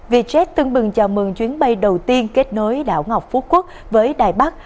vietjet tưng bừng chào mừng chuyến bay đầu tiên kết nối đảo ngọc phú quốc với đài bắc